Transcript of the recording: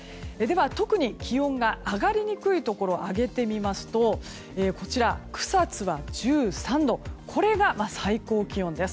特に気温が上がりにくいところを挙げてみますと草津は１３度これが最高気温です。